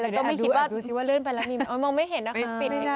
อับดูสิว่าเลื่อนไปแล้วมองไม่เห็นนะครับ